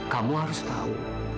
kamu harus tahu